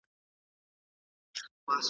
که ونې وي نو سیوری نه کمېږي.